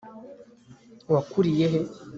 wakuriye he